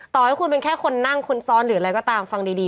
ต่อให้คุณเป็นแค่คนนั่งคนซ้อนหรืออะไรก็ตามฟังดี